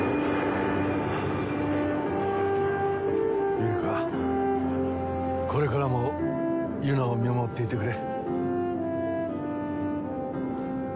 ユリカこれからもユナを見守っていてくれ。